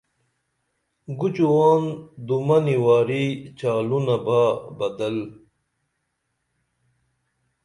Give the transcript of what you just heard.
گُچوان دومنی واری چالونہ با بدل